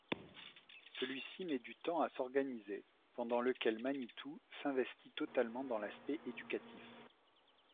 Celui-ci met du temps à s'organiser, pendant lequel Manitou s'investit totalement dans l'aspect éducatif.